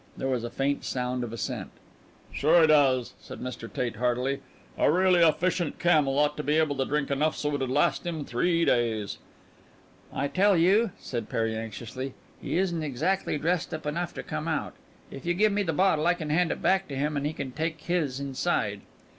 There was a faint sound of assent. "Sure he does!" said Mr. Tate heartily. "A really efficient camel ought to be able to drink enough so it'd last him three days." "Tell you," said Perry anxiously, "he isn't exactly dressed up enough to come out. If you give me the bottle I can hand it back to him and he can take his inside."